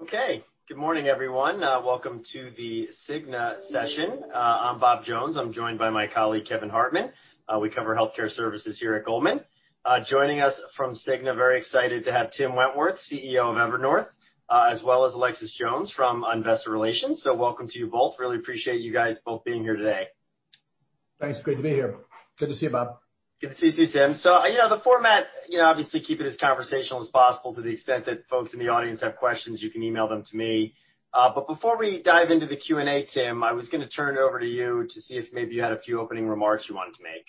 Okay, good morning everyone. Welcome to The Cigna session. I'm Bob Jones. I'm joined by my colleague Kevin Hartman. We cover healthcare services here at Goldman. Joining us from Cigna, very excited to have Tim Wentworth, CEO of Evernorth, as well as Alexis Jones from Investor Relations. Welcome to you both. Really appreciate you guys both being here today. Thanks, great to be here. Good to see you, Bob. Good to see you too, Tim. You know the format, obviously keep it as conversational as possible. To the extent that folks in the audience have questions, you can email them to me. Before we dive into the Q&A, Tim, I was going to turn it over to you to see if maybe you had a few opening remarks you wanted to make.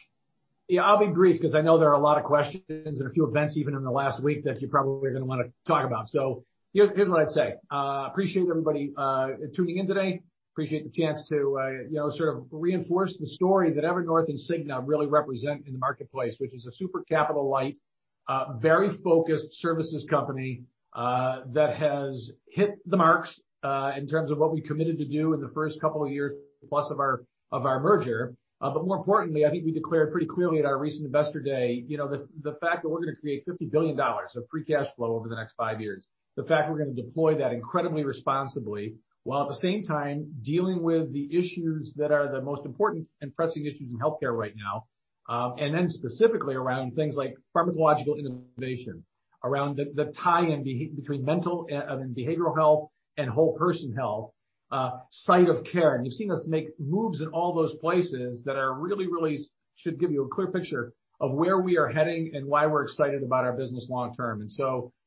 Yeah, I'll be brief because I know there are a lot of questions and a few events even in the last week that you probably are going to want to talk about. Here's what I'd say. Appreciate everybody tuning in today. Appreciate the chance to, you know, sort of reinforce the story that Evernorth and Cigna really represent in the marketplace, which is a super capital-light, very focused services company that has hit the marks in terms of what we committed to do in the first couple of years plus of our merger. More importantly, I think we declared pretty clearly at our recent Investor Day the fact that we're going to create $50 billion of free cash flow over the next five years. The fact we're going to deploy that incredibly responsibly, while at the same time dealing with the issues that are the most important and pressing issues in healthcare right now. Specifically around things like pharmacological innovation, around the tie-in between mental and behavioral health and whole person health, site of care. You've seen us make moves in all those places that really should give you a clear picture of where we are heading and why we're excited about our business long term.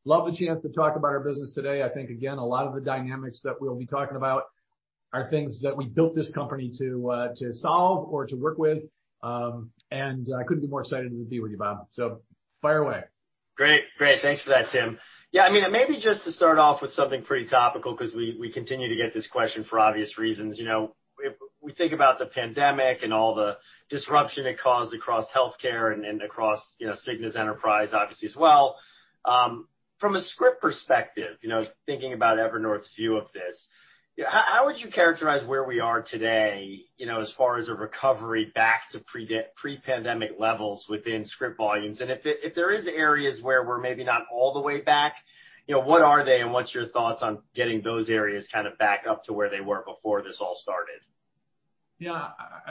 Love the chance to talk about our business today. I think a lot of the dynamics that we'll be talking about are things that we built this company to solve or to work with. I couldn't be more excited to be with you, Bob. Fire away. Great, great. Thanks for that, Tim. Yeah, I mean, maybe just to start off with something pretty topical because we continue to get this question for obvious reasons. You know, we think about the pandemic and all the disruption it caused across healthcare and across Cigna's enterprise, obviously as well. From a script perspective, you know, thinking about Evernorth's view of this, how would you characterize where we are today, you know, as far as a recovery back to pre-pandemic levels within script volumes? If there are areas where we're maybe not all the way back, you know, what are they and what's your thoughts on getting those areas kind of back up to where they were before this all started? Yeah,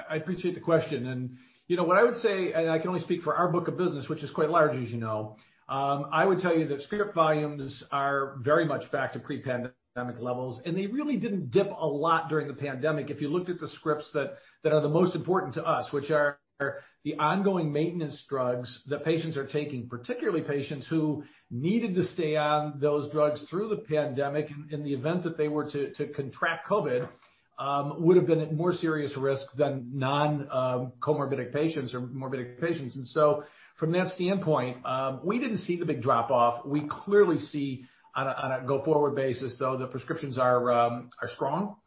I appreciate the question. What I would say, and I can only speak for our book of business, which is quite large, as you know, I would tell you that script volumes are very much back to pre-pandemic levels. They really didn't dip a lot during the pandemic. If you looked at the scripts that are the most important to us, which are the ongoing maintenance drugs that patients are taking, particularly patients who needed to stay on those drugs through the pandemic in the event that they were to contract COVID, they would have been at more serious risk than non-comorbid patients or morbid patients. From that standpoint, we didn't see the big drop-off. We clearly see on a go-forward basis, though, the prescriptions are strong.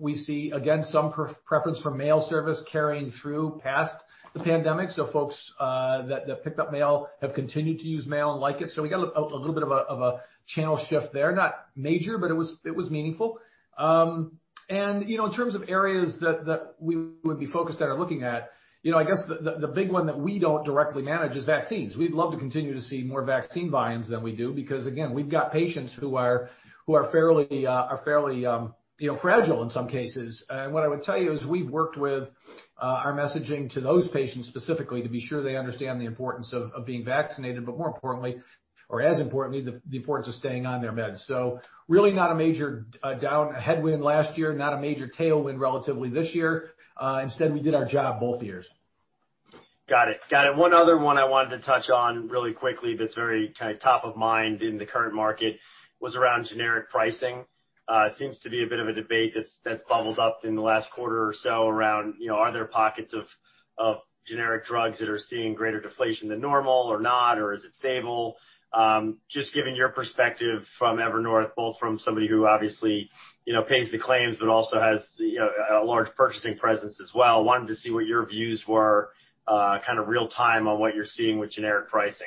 We see, again, some preference for mail service carrying through past the pandemic. Folks that picked up mail have continued to use mail and like it. We got a little bit of a channel shift there, not major, but it was meaningful. In terms of areas that we would be focused on or looking at, I guess the big one that we don't directly manage is vaccines. We'd love to continue to see more vaccine volumes than we do because, again, we've got patients who are fairly fragile in some cases. What I would tell you is we've worked with our messaging to those patients specifically to be sure they understand the importance of being vaccinated, but more importantly, or as importantly, the importance of staying on their meds. Really not a major down headwind last year, not a major tailwind relatively this year. Instead, we did our job both years. Got it, got it. One other one I wanted to touch on really quickly that's very kind of top of mind in the current market was around generic drug pricing. Seems to be a bit of a debate that's bubbled up in the last quarter or so around, you know, are there pockets of generic drugs that are seeing greater deflation than normal or not, or is it stable? Just given your perspective from Evernorth, both from somebody who obviously, you know, pays the claims, but also has, you know, a large purchasing presence as well, wanted to see what your views were, kind of real time on what you're seeing with generic drug pricing.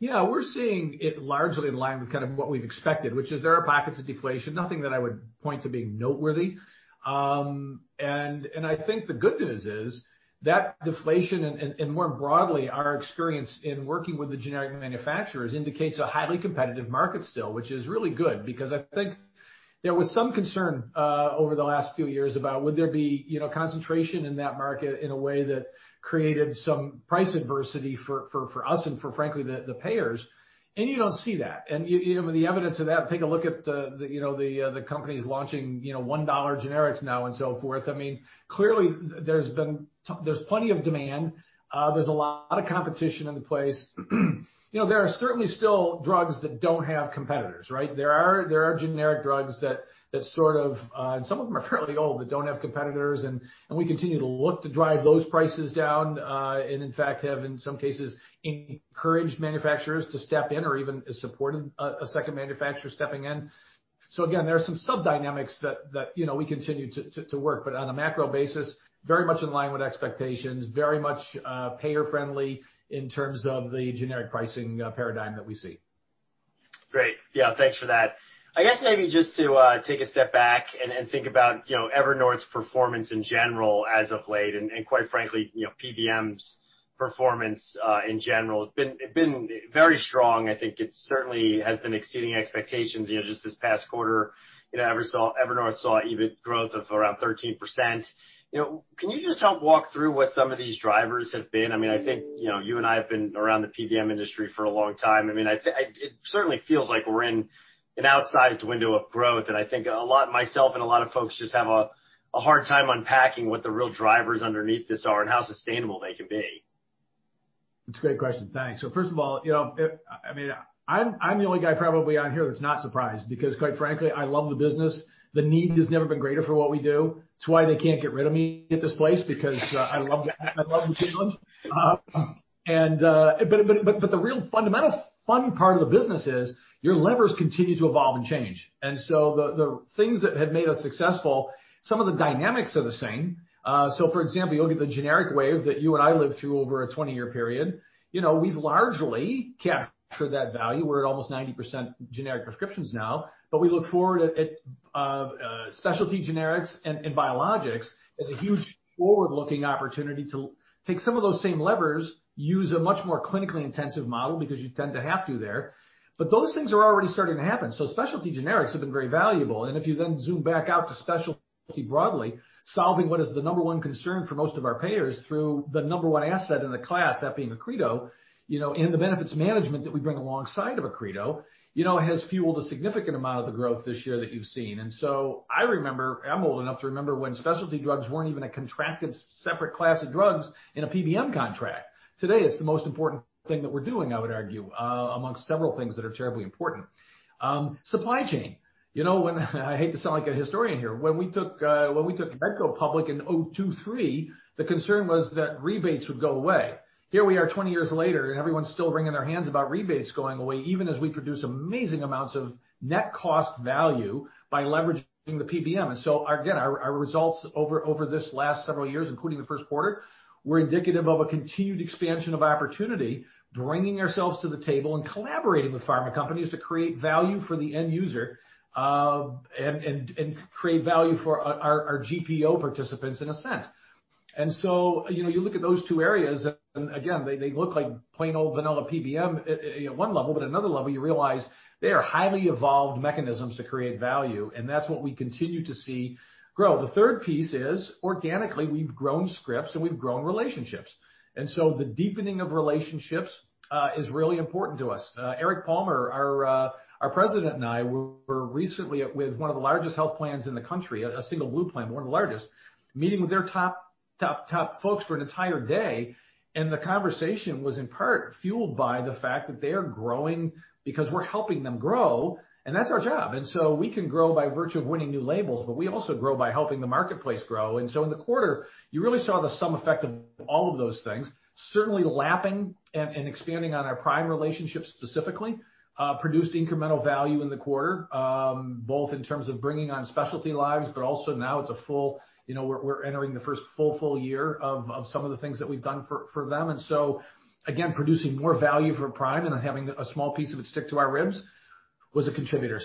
Yeah, we're seeing it largely in line with kind of what we've expected, which is there are pockets of deflation, nothing that I would point to being noteworthy. I think the good news is that deflation and more broadly our experience in working with the generic manufacturers indicates a highly competitive market still, which is really good because I think there was some concern over the last few years about would there be, you know, concentration in that market in a way that created some price adversity for us and for frankly the payers. You don't see that. The evidence of that, take a look at the companies launching $1 generics now and so forth. I mean, clearly there's plenty of demand. There's a lot of competition in the place. There are certainly still drugs that don't have competitors, right? There are generic drugs that sort of, and some of them are fairly old, but don't have competitors. We continue to look to drive those prices down and in fact have in some cases encouraged manufacturers to step in or even supported a second manufacturer stepping in. There are some sub dynamics that we continue to work, but on a macro basis, very much in line with expectations, very much payer-friendly in terms of the generic pricing paradigm that we see. Great, yeah, thanks for that. I guess maybe just to take a step back and think about, you know, Evernorth's performance in general as of late, and quite frankly, you know, PBM's performance in general, it's been very strong. I think it certainly has been exceeding expectations. Just this past quarter, you know, Evernorth saw EBIT growth of around 13%. Can you just help walk through what some of these drivers have been? I mean, I think, you know, you and I have been around the PBM industry for a long time. It certainly feels like we're in an outsized window of growth. I think a lot myself and a lot of folks just have a hard time unpacking what the real drivers underneath this are and how sustainable they can be. That's a great question, thanks. First of all, I'm the only guy probably on here that's not surprised because, quite frankly, I love the business. The need has never been greater for what we do. It's why they can't get rid of me at this place because I love the two of them. The real fundamental fun part of the business is your levers continue to evolve and change. The things that have made us successful, some of the dynamics are the same. For example, you'll get the generic wave that you and I lived through over a 20-year period. We've largely captured that value. We're at almost 90% generic prescriptions now. We look forward to specialty generics and biologics as a huge forward-looking opportunity to take some of those same levers, use a much more clinically intensive model because you tend to have to there. Those things are already starting to happen. Specialty generics have been very valuable. If you then zoom back out to specialty broadly, solving what is the number one concern for most of our payers through the number one asset in the class, that being Accredo, and the benefits management that we bring alongside of Accredo, has fueled a significant amount of the growth this year that you've seen. I remember, I'm old enough to remember when specialty drugs weren't even a contracted separate class of drugs in a PBM contract. Today, it's the most important thing that we're doing, I would argue, amongst several things that are terribly important. Supply chain. I hate to sound like a historian here, when we took Medco public in 2002, 2003, the concern was that rebates would go away. Here we are 20 years later and everyone's still wringing their hands about rebates going away, even as we produce amazing amounts of net cost value by leveraging the PBM. Our results over this last several years, including the first quarter, were indicative of a continued expansion of opportunity, bringing ourselves to the table and collaborating with pharma companies to create value for the end user and create value for our GPO participants in a sense. You look at those two areas and they look like plain old vanilla PBM at one level, but at another level, you realize they are highly evolved mechanisms to create value. That's what we continue to see grow. The third piece is organically, we've grown scripts and we've grown relationships. The deepening of relationships is really important to us. Eric Palmer, our President, and I were recently with one of the largest health plans in the country, a single blue plan, one of the largest, meeting with their top, top, top folks for an entire day. The conversation was in part fueled by the fact that they are growing because we're helping them grow. That's our job. We can grow by virtue of winning new labels, but we also grow by helping the marketplace grow. In the quarter, you really saw the sum effect of all of those things, certainly lapping and expanding on our Prime relationships specifically, produced incremental value in the quarter, both in terms of bringing on specialty lives, but also now it's a full, you know, we're entering the first full, full year of some of the things that we've done for them. Again, producing more value for Prime and having a small piece of it stick to our ribs was a contributor.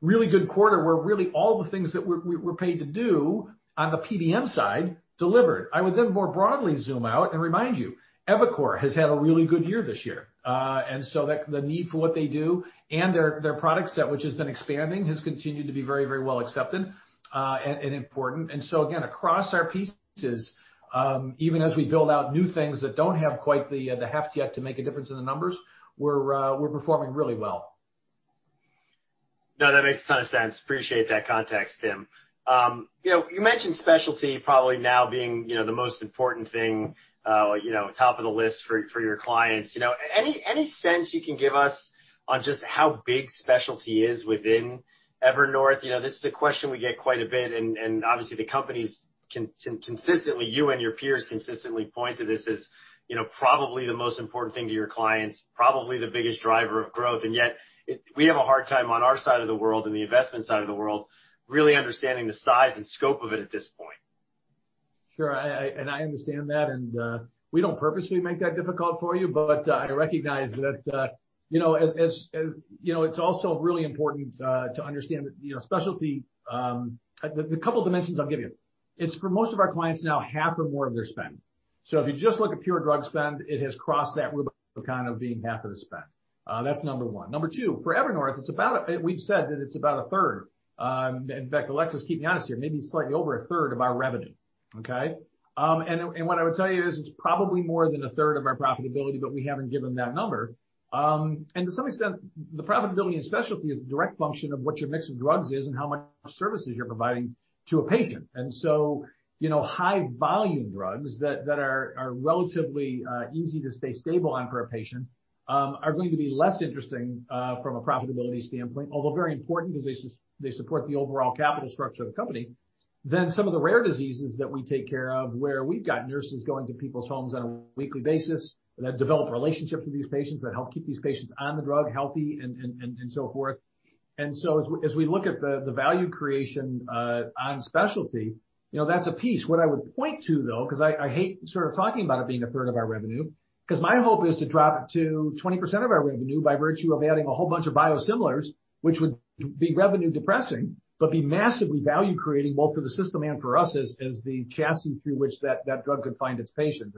Really good quarter where really all the things that we're paid to do on the PBM side delivered. I would then more broadly zoom out and remind you, EviCore has had a really good year this year. The need for what they do and their product set, which has been expanding, has continued to be very, very well accepted and important. Again, across our pieces, even as we build out new things that don't have quite the heft yet to make a difference in the numbers, we're performing really well. No, that makes a ton of sense. Appreciate that context, Tim. You mentioned specialty probably now being the most important thing, top of the list for your clients. Any sense you can give us on just how big specialty is within Evernorth? This is a question we get quite a bit. Obviously, the companies consistently, you and your peers consistently point to this as probably the most important thing to your clients, probably the biggest driver of growth. Yet we have a hard time on our side of the world and the investment side of the world really understanding the size and scope of it at this point. Sure, I understand that. We don't purposely make that difficult for you, but I recognize that it's also really important to understand that specialty, the couple of dimensions I'll give you, it's for most of our clients now half or more of their spend. If you just look at pure drug spend, it has crossed that rubric of kind of being half of the spend. That's number one. Number two, for Evernorth, it's about, we've said that it's about a third. In fact, Alexis, keep me honest here, maybe slightly over a third of our revenue. What I would tell you is it's probably more than a third of our profitability, but we haven't given that number. To some extent, the profitability in specialty is a direct function of what your mix of drugs is and how much services you're providing to a patient. High volume drugs that are relatively easy to stay stable on for a patient are going to be less interesting from a profitability standpoint, although very important because they support the overall capital structure of the company. Some of the rare diseases that we take care of, where we've got nurses going to people's homes on a weekly basis that develop relationships with these patients that help keep these patients on the drug healthy and so forth. As we look at the value creation on specialty, that's a piece. What I would point to though, because I hate sort of talking about it being a third of our revenue, my hope is to drop to 20% of our revenue by virtue of adding a whole bunch of biosimilars which would be revenue depressing but be massively value creating both for the system and for us as the chassis through which that drug could find its patients.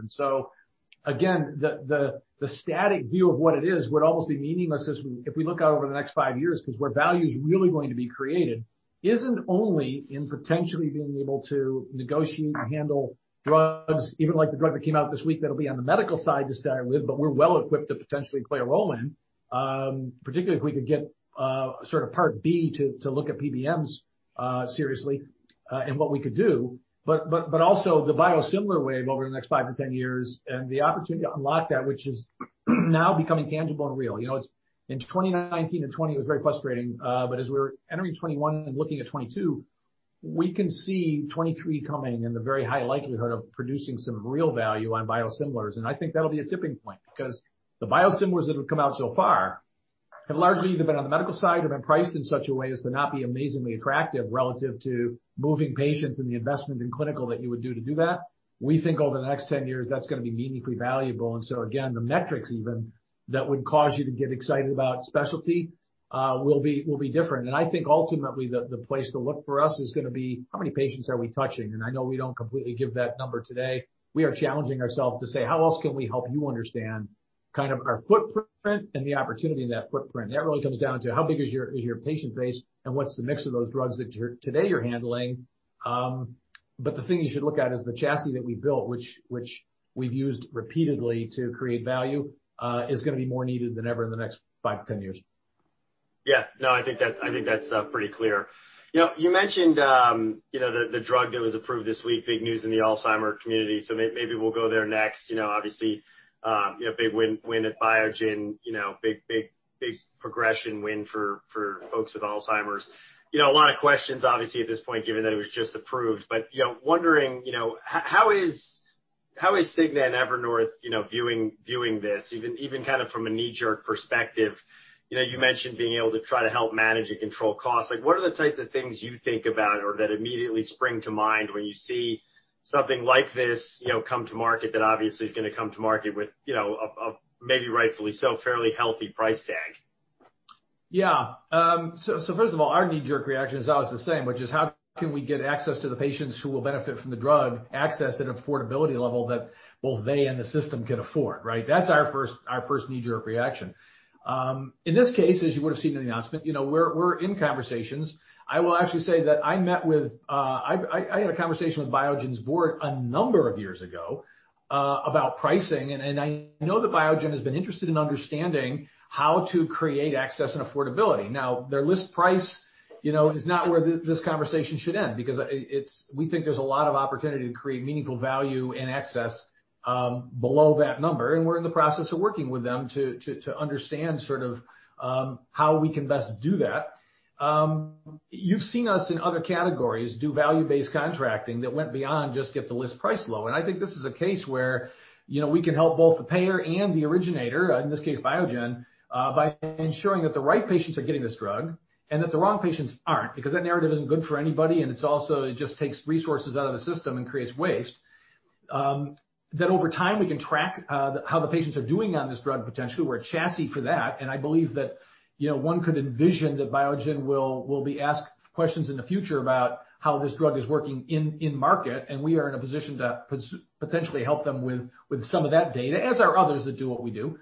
The static view of what it is would almost be meaningless if we look out over the next five years because where value is really going to be created isn't only in potentially being able to negotiate and handle drugs, even like the drug that came out this week that'll be on the medical side to start with, but we're well equipped to potentially play a role in, particularly if we could get a sort of part B to look at PBMs seriously and what we could do. Also, the biosimilar wave over the next five to ten years and the opportunity to unlock that which is now becoming tangible and real. In 2019 and 2020 it was very frustrating, but as we're entering 2021 and looking at 2022, we can see 2023 coming and the very high likelihood of producing some real value on biosimilars. I think that'll be a tipping point because the biosimilars that have come out so far have largely either been on the medical side or been priced in such a way as to not be amazingly attractive relative to moving patients and the investment in clinical that you would do to do that. We think over the next ten years that's going to be meaningfully valuable. The metrics even that would cause you to get excited about specialty will be different. I think ultimately the place to look for us is going to be how many patients are we touching. I know we don't completely give that number today. We are challenging ourselves to say how else can we help you understand kind of our footprint and the opportunity in that footprint. That really comes down to how big is your patient base and what's the mix of those drugs that today you're handling. The thing you should look at is the chassis that we built, which we've used repeatedly to create value, is going to be more needed than ever in the next five to ten years. Yeah, no, I think that's pretty clear. You mentioned the drug that was approved this week, big news in the Alzheimer's community. Maybe we'll go there next. Obviously, big win at Biogen, big progression win for folks with Alzheimer's. A lot of questions obviously at this point given that it was just approved. Wondering how is Cigna and Evernorth viewing this even kind of from a knee-jerk perspective? You mentioned being able to try to help manage and control costs. What are the types of things you think about or that immediately spring to mind when you see something like this come to market that obviously is going to come to market with a, maybe rightfully so, fairly healthy price tag? Yeah, so first of all, our knee-jerk reaction is always the same, which is how can we get access to the patients who will benefit from the drug, access at an affordability level that both they and the system can afford, right? That's our first knee-jerk reaction. In this case, as you would have seen in the announcement, we're in conversations. I will actually say that I met with, I had a conversation with Biogen's board a number of years ago about pricing. I know that Biogen has been interested in understanding how to create access and affordability. Now, their list price is not where this conversation should end because we think there's a lot of opportunity to create meaningful value and access below that number. We're in the process of working with them to understand sort of how we can best do that. You've seen us in other categories do value-based contracting that went beyond just get the list price low. I think this is a case where we can help both the payer and the originator, in this case, Biogen, by ensuring that the right patients are getting this drug and that the wrong patients aren't because that narrative isn't good for anybody. It just takes resources out of the system and creates waste. Over time, we can track how the patients are doing on this drug potentially. We're a chassis for that. I believe that one could envision that Biogen will be asked questions in the future about how this drug is working in market. We are in a position to potentially help them with some of that data as are others that do what we do.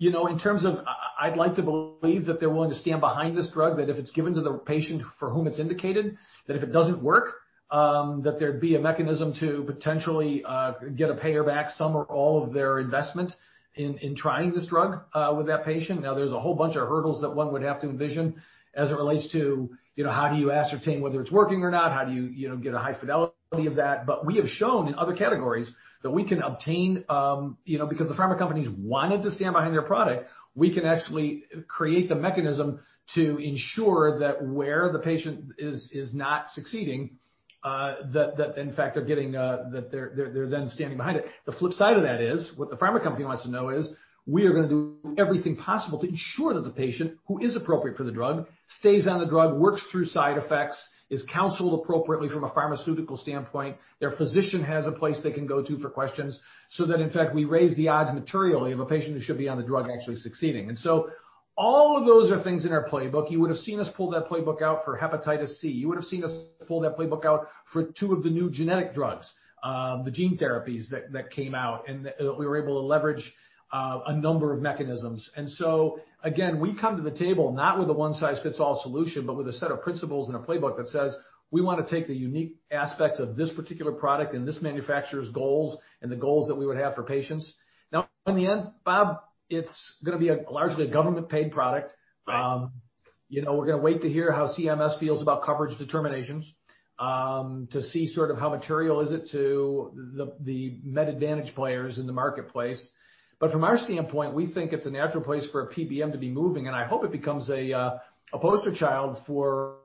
In terms of, I'd like to believe that they're willing to stand behind this drug, that if it's given to the patient for whom it's indicated, that if it doesn't work, that there'd be a mechanism to potentially get a payer back some or all of their investment in trying this drug with that patient. There's a whole bunch of hurdles that one would have to envision as it relates to how do you ascertain whether it's working or not? How do you get a high fidelity of that? We have shown in other categories that we can obtain, because the pharma companies wanted to stand behind their product, we can actually create the mechanism to ensure that where the patient is not succeeding, that in fact they're getting, that they're then standing behind it. The flip side of that is what the pharma company wants to know is we are going to do everything possible to ensure that the patient who is appropriate for the drug stays on the drug, works through side effects, is counseled appropriately from a pharmaceutical standpoint, their physician has a place they can go to for questions. That in fact we raise the odds materially of a patient who should be on the drug actually succeeding. All of those are things in our playbook. You would have seen us pull that playbook out for hepatitis C. You would have seen us pull that playbook out for two of the new genetic drugs, the gene therapies that came out and that we were able to leverage a number of mechanisms. We come to the table not with a one-size-fits-all solution, but with a set of principles and a playbook that says we want to take the unique aspects of this particular product and this manufacturer's goals and the goals that we would have for patients. Now, in the end, Bob, it's going to be largely a government-paid product. You know, we're going to wait to hear how CMS feels about coverage determinations to see sort of how material is it to the med advantage players in the marketplace. From our standpoint, we think it's a natural place for a PBM to be moving. I hope it becomes a poster child for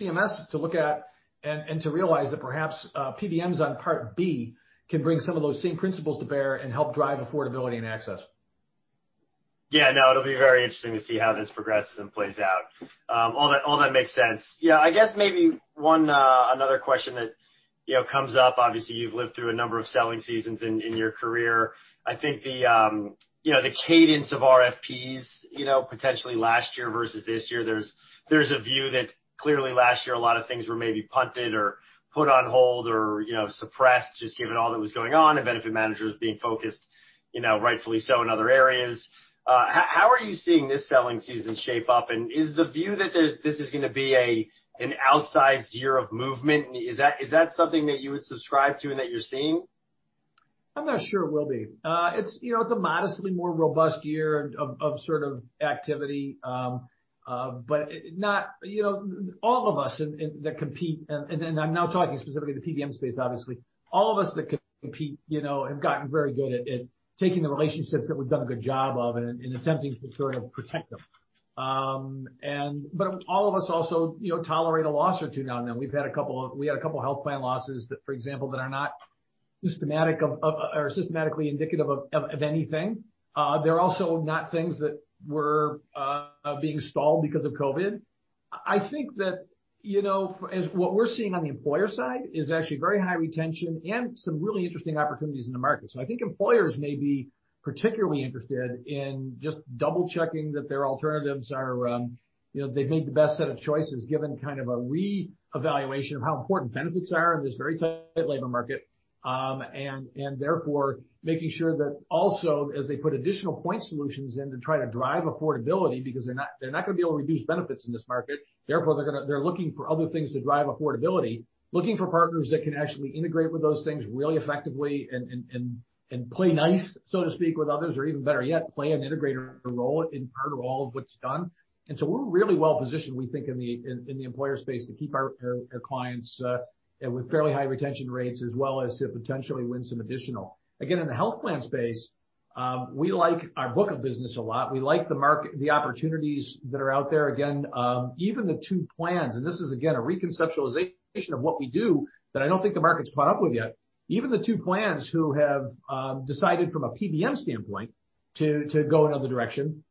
CMS to look at and to realize that perhaps PBMs on part B can bring some of those same principles to bear and help drive affordability and access. Yeah, no, it'll be very interesting to see how this progresses and plays out. All that makes sense. I guess maybe one another question that comes up. Obviously, you've lived through a number of selling seasons in your career. I think the cadence of RFPs, potentially last year versus this year, there's a view that clearly last year a lot of things were maybe punted or put on hold or suppressed just given all that was going on and benefit managers being focused, rightfully so, in other areas. How are you seeing this selling season shape up? Is the view that this is going to be an outsized year of movement? Is that something that you would subscribe to and that you're seeing? I'm not sure it will be. It's a modestly more robust year of sort of activity, but not, you know, all of us that compete, and I'm now talking specifically the PBM space, obviously, all of us that compete have gotten very good at taking the relationships that we've done a good job of and attempting to sort of protect them. All of us also tolerate a loss or two now and then. We've had a couple, we had a couple of health plan losses that, for example, are not systematic or systematically indicative of anything. They're also not things that were being stalled because of COVID. I think that as what we're seeing on the employer side is actually very high retention and some really interesting opportunities in the market. I think employers may be particularly interested in just double checking that their alternatives are, you know, they've made the best set of choices given kind of a re-evaluation of how important benefits are in this very tight labor market. Therefore, making sure that also, as they put additional point solutions in to try to drive affordability because they're not going to be able to reduce benefits in this market, they're looking for other things to drive affordability, looking for partners that can actually integrate with those things really effectively and play nice, so to speak, with others or even better yet, play an integrator role in part of all of what's done. We're really well positioned, we think, in the employer space to keep our clients with fairly high retention rates as well as to potentially win some additional. Again, in the health plan space, we like our book of business a lot. We like the market, the opportunities that are out there. Even the two plans, and this is again a reconceptualization of what we do that I don't think the market's caught up with yet, even the two plans who have decided from a PBM standpoint to go another direction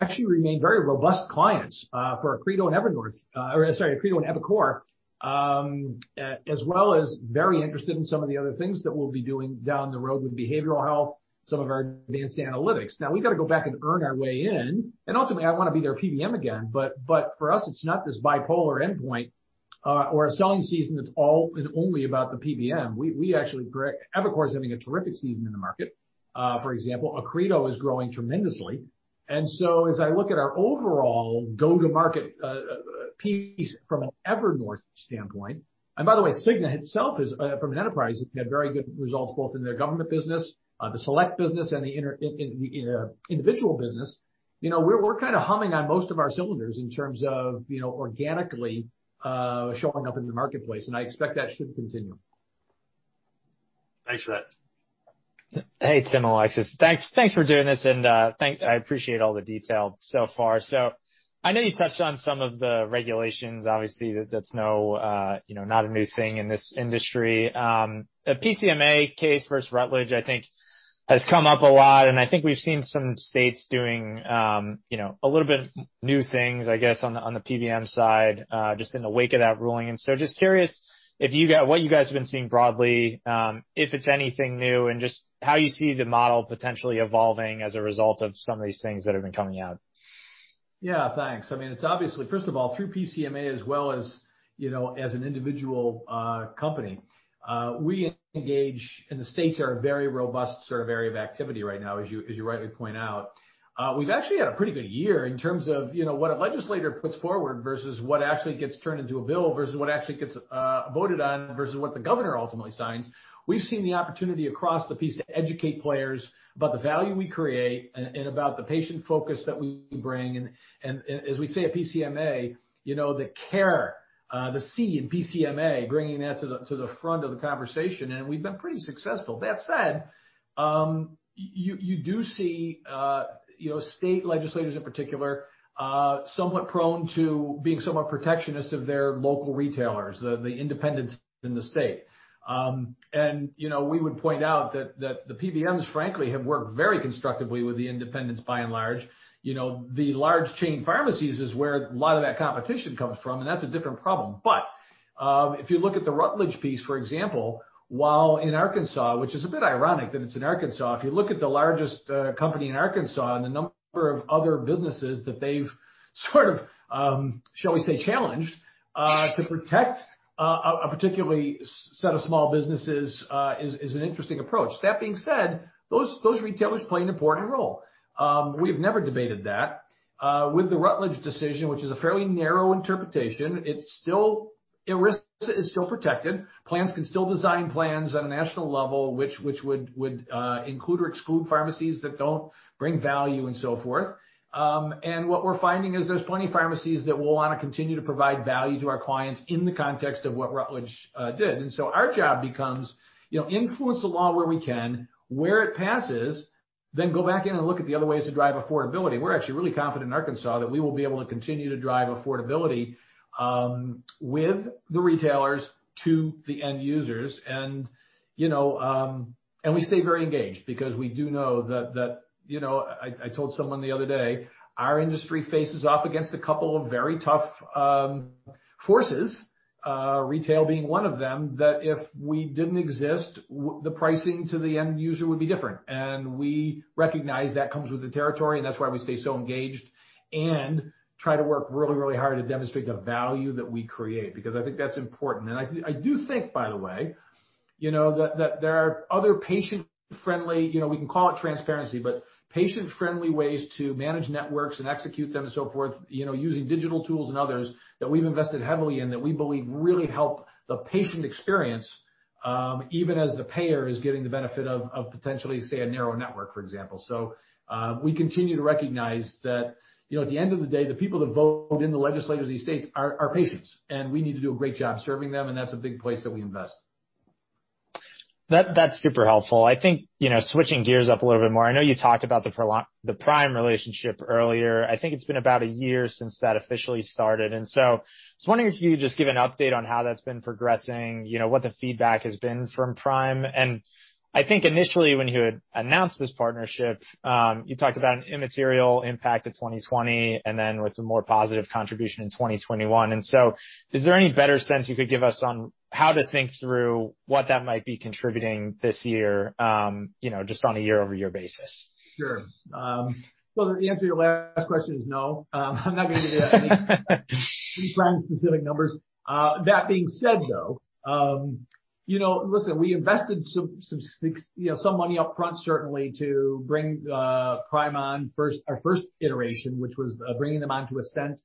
actually remain very robust clients for Accredo and EviCore, as well as very interested in some of the other things that we'll be doing down the road with behavioral health, some of our advanced analytics. We've got to go back and earn our way in. Ultimately, I want to be their PBM again. For us, it's not this bipolar endpoint or a selling season that's all and only about the PBM. EviCore is having a terrific season in the market. For example, Accredo is growing tremendously. As I look at our overall go-to-market piece from an Evernorth standpoint, and by the way, Cigna itself is from an enterprise, we've had very good results both in their government business, the select business, and the individual business. We're kind of humming on most of our cylinders in terms of organically showing up in the marketplace. I expect that should continue. Thanks for that. Hey, Tim, Alexis, thanks for doing this. I appreciate all the detail so far. I know you touched on some of the regulations, obviously, that's not a new thing in this industry. PCMA v. Rutledge, I think, has come up a lot. I think we've seen some states doing a little bit new things, I guess, on the PBM side just in the wake of that ruling. I'm just curious if you guys have been seeing broadly if it's anything new and just how you see the model potentially evolving as a result of some of these things that have been coming out. Yeah, thanks. I mean, it's obviously, first of all, through PCMA as well as, you know, as an individual company, we engage in the states that are a very robust sort of area of activity right now, as you rightly point out. We've actually had a pretty good year in terms of what a legislator puts forward versus what actually gets turned into a bill versus what actually gets voted on versus what the governor ultimately signs. We've seen the opportunity across the piece to educate players about the value we create and about the patient focus that we bring. As we say at PCMA, the care, the C in PCMA, bringing that to the front of the conversation. We've been pretty successful. That said, you do see state legislators in particular somewhat prone to being somewhat protectionist of their local retailers, the independents in the state. We would point out that the PBMs, frankly, have worked very constructively with the independents by and large. The large chain pharmacies is where a lot of that competition comes from. That's a different problem. If you look at the Rutledge piece, for example, while in Arkansas, which is a bit ironic that it's in Arkansas, if you look at the largest company in Arkansas and the number of other businesses that they've sort of, shall we say, challenged to protect a particular set of small businesses is an interesting approach. That being said, those retailers play an important role. We have never debated that. With the Rutledge decision, which is a fairly narrow interpretation, it's still protected. Plans can still design plans on a national level, which would include or exclude pharmacies that don't bring value and so forth. What we're finding is there's plenty of pharmacies that will want to continue to provide value to our clients in the context of what Rutledge did. Our job becomes influence the law where we can, where it passes, then go back in and look at the other ways to drive affordability. We're actually really confident in Arkansas that we will be able to continue to drive affordability with the retailers to the end users. We stay very engaged because we do know that, you know, I told someone the other day, our industry faces off against a couple of very tough forces, retail being one of them, that if we didn't exist, the pricing to the end user would be different. We recognize that comes with the territory. That is why we stay so engaged and try to work really, really hard to demonstrate the value that we create because I think that's important. I do think, by the way, that there are other patient-friendly, you know, we can call it transparency, but patient-friendly ways to manage networks and execute them and so forth, using digital tools and others that we've invested heavily in that we believe really help the patient experience, even as the payer is getting the benefit of potentially, say, a narrow network, for example. We continue to recognize that, at the end of the day, the people that vote in the legislators of these states are patients. We need to do a great job serving them. That's a big place that we invest. That's super helpful. I think, you know, switching gears up a little bit more, I know you talked about the Prime relationship earlier. I think it's been about a year since that officially started. I was wondering if you could just give an update on how that's been progressing, what the feedback has been from Prime. I think initially when you had announced this partnership, you talked about an immaterial impact in 2020 and then with a more positive contribution in 2021. Is there any better sense you could give us on how to think through what that might be contributing this year, just on a year-over-year basis? Sure. The answer to your last question is no. I'm not going to give you any frank and silly numbers. That being said, we invested some money up front, certainly to bring Prime on first, our first iteration, which was bringing them on to Ascent,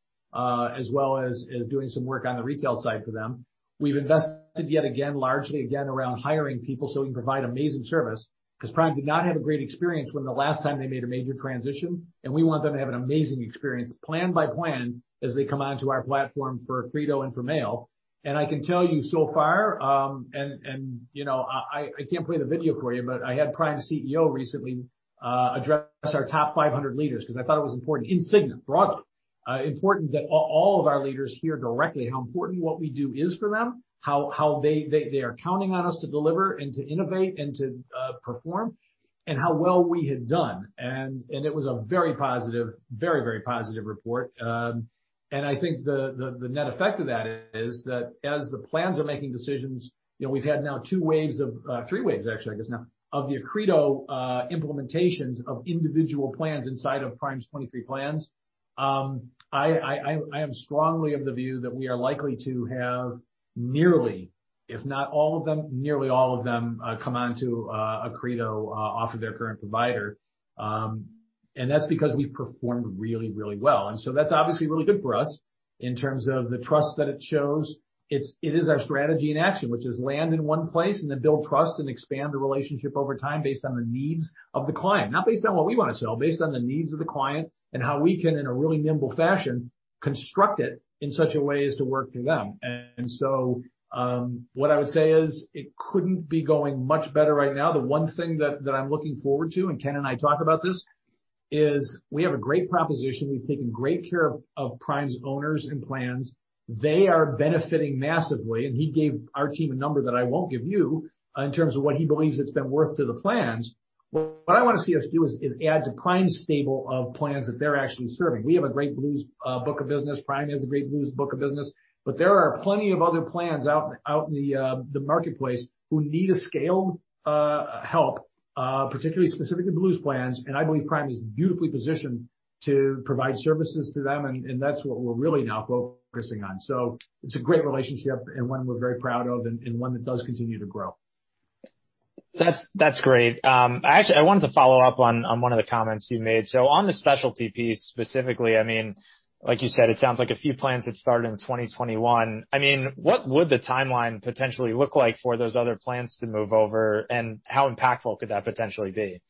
as well as doing some work on the retail side for them. We've invested yet again, largely again around hiring people so we can provide amazing service because Prime did not have a great experience when the last time they made a major transition. We want them to have an amazing experience plan by plan as they come onto our platform for Accredo and for Mail. I can tell you so far, I can't play the video for you, but I had Prime's CEO recently address our top 500 leaders because I thought it was important in Cigna, broadly, important that all of our leaders hear directly how important what we do is for them, how they are counting on us to deliver and to innovate and to perform, and how well we had done. It was a very positive, very, very positive report. I think the net effect of that is that as the plans are making decisions, we've had now two waves of three waves, actually, I guess now, of the Accredo implementations of individual plans inside of Prime's 23 plans. I am strongly of the view that we are likely to have nearly, if not all of them, nearly all of them come onto Accredo off of their current provider. That's because we've performed really, really well. That's obviously really good for us in terms of the trust that it shows. It is our strategy in action, which is land in one place and then build trust and expand the relationship over time based on the needs of the client, not based on what we want to sell, based on the needs of the client and how we can, in a really nimble fashion, construct it in such a way as to work through them. What I would say is it couldn't be going much better right now. The one thing that I'm looking forward to, and Ken and I talk about this, is we have a great proposition. We've taken great care of Prime's owners and plans. They are benefiting massively. He gave our team a number that I won't give you in terms of what he believes it's been worth to the plans. What I want to see us do is add to Prime's stable of plans that they're actually serving. We have a great Blues book of business. Prime has a great Blues book of business. There are plenty of other plans out in the marketplace who need a scaled help, particularly specifically Blues plans. I believe Prime is beautifully positioned to provide services to them. That's what we're really now focusing on. It's a great relationship and one we're very proud of and one that does continue to grow. That's great. I wanted to follow up on one of the comments you made. On the specialty piece specifically, like you said, it sounds like a few plans had started in 2021. What would the timeline potentially look like for those other plans to move over, and how impactful could that potentially be?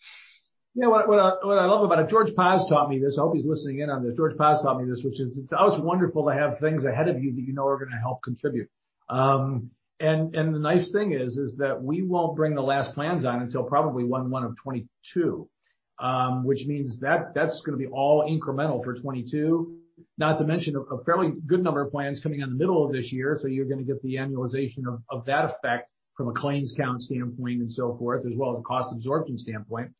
Yeah, what I love about it, George Paz taught me this. I hope he's listening in on this. George Paz taught me this, which is it's always wonderful to have things ahead of you that you know are going to help contribute. The nice thing is that we won't bring the last plans on until probably 1/1/2022, which means that that's going to be all incremental for 2022, not to mention a fairly good number of plans coming on the middle of this year. You're going to get the annualization of that effect from a claims count standpoint and so forth, as well as a cost absorption standpoint.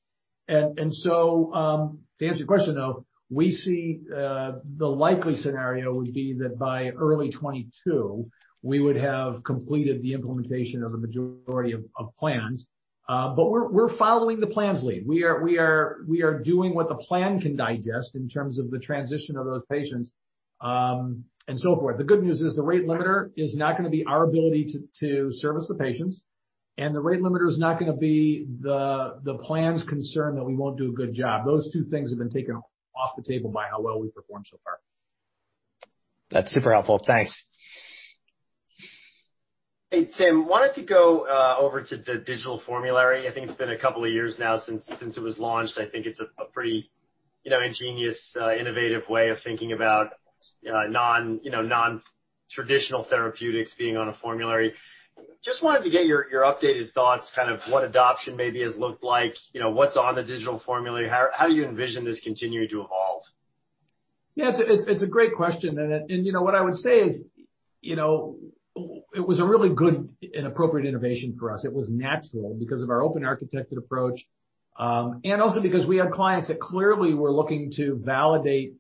To answer your question, though, we see the likely scenario would be that by early 2022, we would have completed the implementation of the majority of plans. We're following the plans' lead. We are doing what the plan can digest in terms of the transition of those patients and so forth. The good news is the rate limiter is not going to be our ability to service the patients. The rate limiter is not going to be the plan's concern that we won't do a good job. Those two things have been taken off the table by how well we performed so far. That's super helpful. Thanks. Hey, Tim, wanted to go over to the digital formulary. I think it's been a couple of years now since it was launched. I think it's a pretty, you know, ingenious, innovative way of thinking about non, you know, non-traditional therapeutics being on a formulary. Just wanted to get your updated thoughts, kind of what adoption maybe has looked like, you know, what's on the digital formulary? How do you envision this continuing to evolve? Yeah, it's a great question. What I would say is it was a really good and appropriate innovation for us. It was natural because of our open architected approach, and also because we had clients that clearly were looking to validate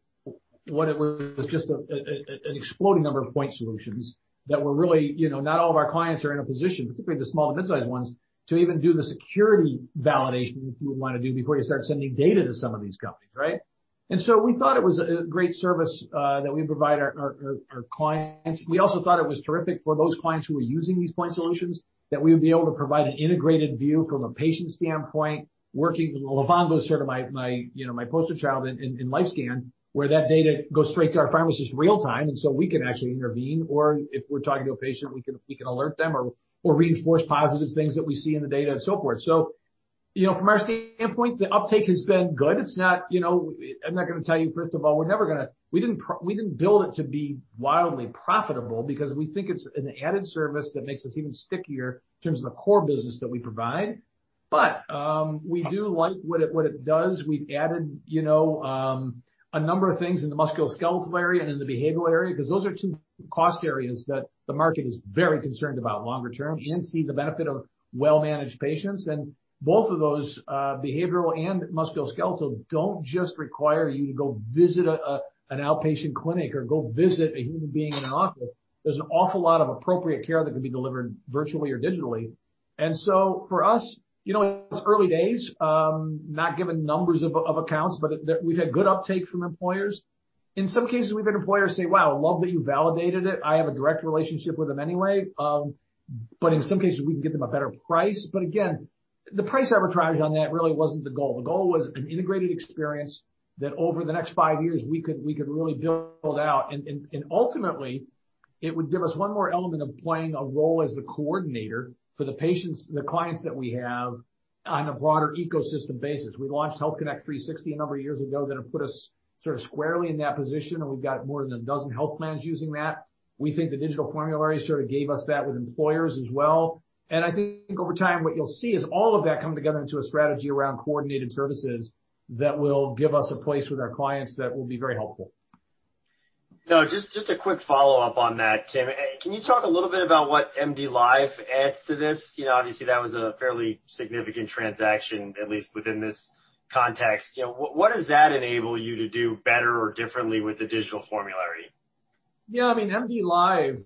what was just an exploding number of point solutions. Not all of our clients are in a position, particularly the small to mid-sized ones, to even do the security validation that you would want to do before you start sending data to some of these companies, right? We thought it was a great service that we provide our clients. We also thought it was terrific for those clients who were using these point solutions that we would be able to provide an integrated view from a patient standpoint, working from the Levonbo shirt of my, you know, my poster child in Lifescan where that data goes straight to our pharmacist real time. We can actually intervene, or if we're talking to a patient, we can alert them or reinforce positive things that we see in the data and so forth. From our standpoint, the uptake has been good. I'm not going to tell you, first of all, we never built it to be wildly profitable because we think it's an added service that makes us even stickier in terms of the core business that we provide. We do like what it does. We added a number of things in the musculoskeletal area and in the behavioral area because those are two cost areas that the market is very concerned about longer term and see the benefit of well-managed patients. Both of those, behavioral and musculoskeletal, do not just require you to go visit an outpatient clinic or go visit a human being in an office. There is an awful lot of appropriate care that can be delivered virtually or digitally. For us, it's early days, not giving numbers of accounts, but we've had good uptake from employers. In some cases, we've had employers say, wow, love that you validated it. I have a direct relationship with them anyway. In some cases, we can get them a better price. Again, the price arbitrage on that really was not the goal. The goal was an integrated experience that over the next five years, we could really build out. Ultimately, it would give us one more element of playing a role as the coordinator for the patients, the clients that we have on a broader ecosystem basis. We launched Health Connect 360 a number of years ago that have put us sort of squarely in that position. We've got more than a dozen health plans using that. We think the digital formulary sort of gave us that with employers as well. Over time, what you'll see is all of that come together into a strategy around coordinated services that will give us a place with our clients that will be very helpful. Now, just a quick follow-up on that, Tim. Can you talk a little bit about what MDLive adds to this? Obviously, that was a fairly significant transaction, at least within this context. What does that enable you to do better or differently with the digital formulary? Yeah, I mean, MDLive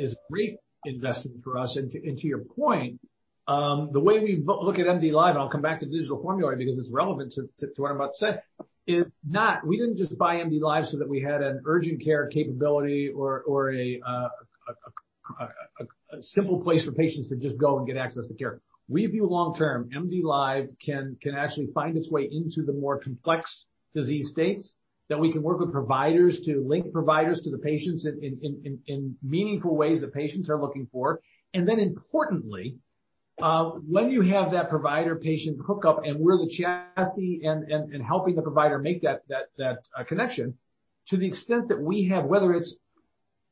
is a great investment for us. To your point, the way we look at MDLive, and I'll come back to the digital formulary because it's relevant to what I'm about to say, is not, we didn't just buy MDLive so that we had an urgent care capability or a simple place for patients to just go and get access to care. We view long-term, MDLive can actually find its way into the more complex disease states that we can work with providers to link providers to the patients in meaningful ways that patients are looking for. Importantly, when you have that provider-patient hookup and we're the chassis and helping the provider make that connection, to the extent that we have, whether it's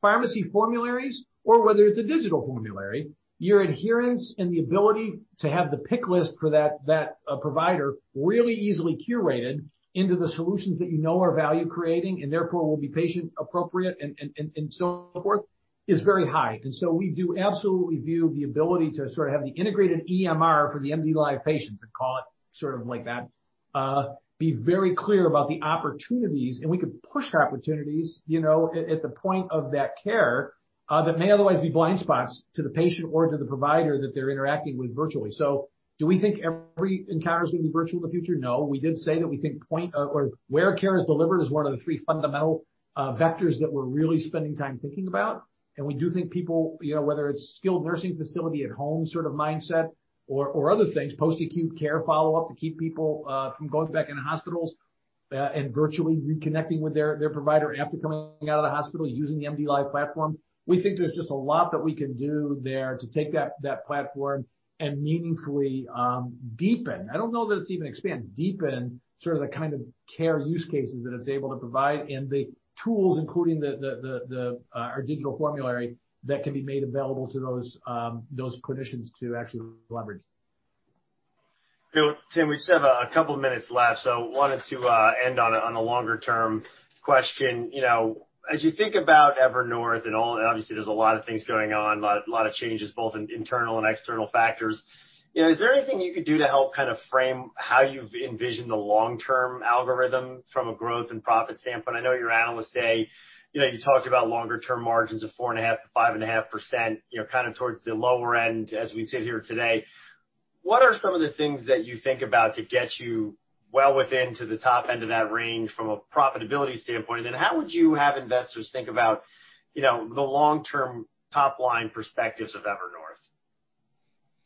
pharmacy formularies or whether it's a digital formulary, your adherence and the ability to have the pick list for that provider really easily curated into the solutions that you know are value creating and therefore will be patient appropriate and so on and so forth is very high. We do absolutely view the ability to sort of have the integrated EMR for the MDLive patient, to call it sort of like that, be very clear about the opportunities. We could push opportunities at the point of that care that may otherwise be blind spots to the patient or to the provider that they're interacting with virtually. Do we think every encounter is going to be virtual in the future? No, we did say that we think point or where care is delivered is one of the three fundamental vectors that we're really spending time thinking about. We do think people, whether it's skilled nursing facility at home sort of mindset or other things, post-acute care follow-up to keep people from going back in hospitals and virtually reconnecting with their provider after coming out of the hospital using the MDLive platform. We think there's just a lot that we can do there to take that platform and meaningfully deepen. I don't know that it's even expanded, deepen sort of the kind of care use cases that it's able to provide and the tools, including our digital formulary that can be made available to those clinicians to actually leverage. Tim, we just have a couple of minutes left. I wanted to end on a longer-term question. You know, as you think about Evernorth and all, obviously, there's a lot of things going on, a lot of changes both in internal and external factors. Is there anything you could do to help kind of frame how you've envisioned the long-term algorithm from a growth and profit standpoint? I know your analysts say, you know, you talked about longer-term margins of 4.5%-5.5%, you know, kind of towards the lower end as we sit here today. What are some of the things that you think about to get you well within to the top end of that range from a profitability standpoint? How would you have investors think about, you know, the long-term top line perspectives of Evernorth?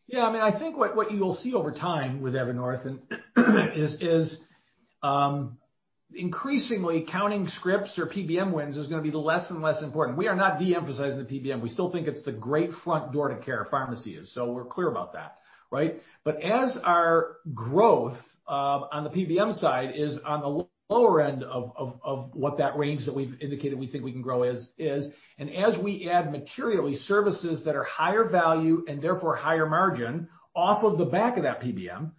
Yeah, I mean, I think what you will see over time with Evernorth is increasingly counting scripts or PBM wins is going to be less and less important. We are not de-emphasizing the PBM. We still think it's the great front door to care pharmacy is. We're clear about that, right? As our growth on the PBM side is on the lower end of what that range that we've indicated we think we can grow is, and as we add materially services that are higher value and therefore higher margin off of the back of that PBM,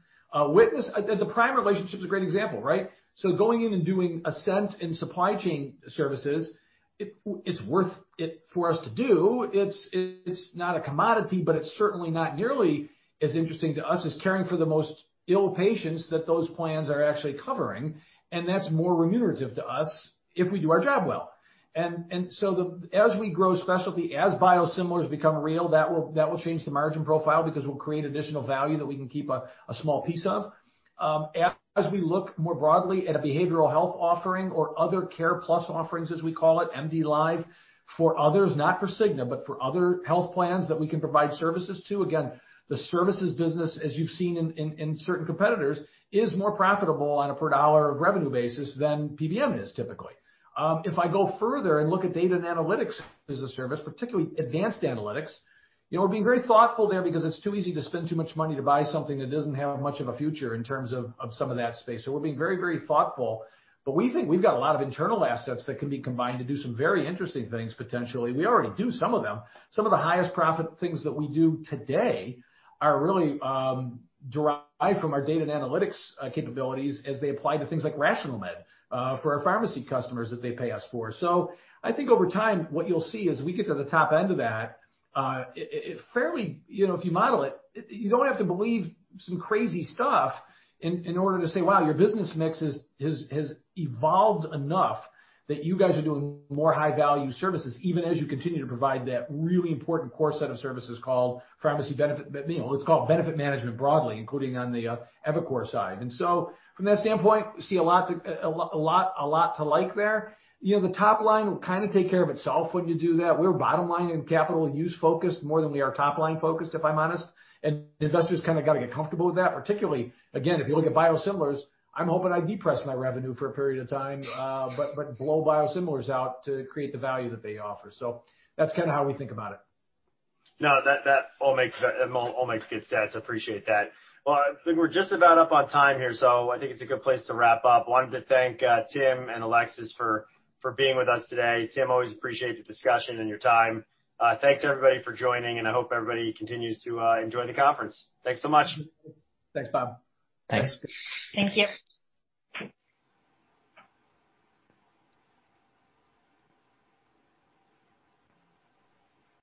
witness that the Prime relationship is a great example, right? Going in and doing Ascent and supply chain services, it's worth it for us to do. It's not a commodity, but it's certainly not nearly as interesting to us as caring for the most ill patients that those plans are actually covering. That's more remunerative to us if we do our job well. As we grow specialty, as biosimilars become real, that will change the margin profile because we'll create additional value that we can keep a small piece of. As we look more broadly at a behavioral health offering or other care plus offerings, as we call it, MDLive for others, not for Cigna, but for other health plans that we can provide services to. Again, the services business, as you've seen in certain competitors, is more profitable on a per dollar of revenue basis than PBM is typically. If I go further and look at data and analytics as a service, particularly advanced analytics, we're being very thoughtful there because it's too easy to spend too much money to buy something that doesn't have much of a future in terms of some of that space. We're being very, very thoughtful. We think we've got a lot of internal assets that can be combined to do some very interesting things potentially. We already do some of them. Some of the highest profit things that we do today are really derived from our data and analytics capabilities as they apply to things like RationalMed for our pharmacy customers that they pay us for. I think over time, what you'll see as we get to the top end of that, it's fairly, you know, if you model it, you don't have to believe some crazy stuff in order to say, wow, your business mix has evolved enough that you guys are doing more high-value services, even as you continue to provide that really important core set of services called pharmacy benefit, you know, it's called benefit management broadly, including on the EviCore side. From that standpoint, we see a lot to like there. You know, the top line will kind of take care of itself when you do that. We're bottom line and capital use focused more than we are top line focused, if I'm honest. Investors kind of got to get comfortable with that, particularly, again, if you look at biosimilars, I'm hoping I depress my revenue for a period of time, but blow biosimilars out to create the value that they offer. That's kind of how we think about it. No, that all makes good sense. I appreciate that. I think we're just about up on time here. I think it's a good place to wrap up. I wanted to thank Tim and Alexis for being with us today. Tim, I always appreciate the discussion and your time. Thanks everybody for joining. I hope everybody continues to enjoy the conference. Thanks so much. Thanks, Bob. Thanks. Thank you.